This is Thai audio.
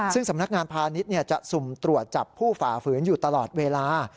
ซึ่งสำนักงานพาณิชย์จะสุ่มตรวจจับผู้ฝ่าฝืนอยู่ตลอดเวลา